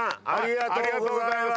ありがとうございます。